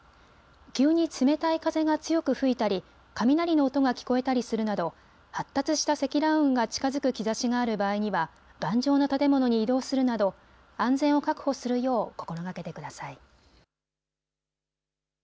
急に冷たい風が強く吹いたり雷の音が聞こえたりするなど発達した積乱雲が近づく兆しがある場合には頑丈な建物に移動するなど安全を確保するよう心がけてください。